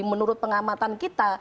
menurut pengamatan kita